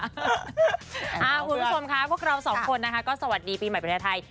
คุณผู้ชมค่ะพวกเราสองคนนะคะก็สวัสดีปีใหม่ประเทศไทย